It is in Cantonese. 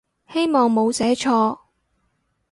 希望冇寫錯